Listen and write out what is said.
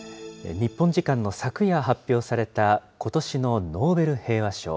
日本時間の昨夜発表されたことしのノーベル平和賞。